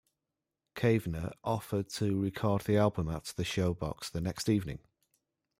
Cavener offered to record the album at the Showbox the next evening.